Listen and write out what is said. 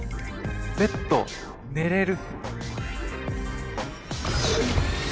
ベッド寝れる。